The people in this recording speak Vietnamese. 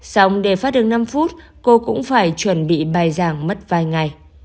xong để phát được năm phút cô cũng phải chuẩn bị bài giảng mất vài ngày